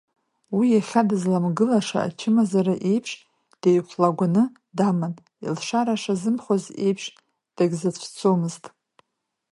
Уи ахьаа, дызлымгаша ачымазара еиԥш, деихәлагәаны даман, илшара шазымхоз еиԥш, дагьзацәцомызт.